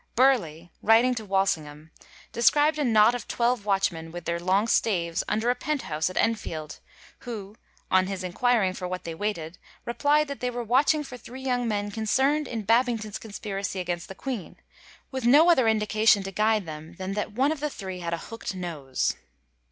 Burleigh, writing to Walsingham, described a knot of twelve watchmen with their long staves under a pent house at Enfield, who, on his enquiring for what they waited, replied that they were watching for three young men concemd in Babington's conspiracy against the Queen, with no other indication to guide them than that one of the three had a hookt nose.